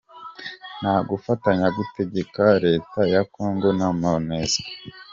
Nta gufatanya gutegeka Leta ya Congo na Monusco.